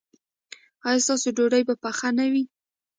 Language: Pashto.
ایا ستاسو ډوډۍ به پخه نه وي؟